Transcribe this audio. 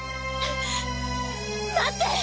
待って！